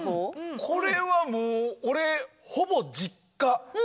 これはもう俺ほぼ実家。